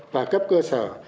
và cấp cơ sở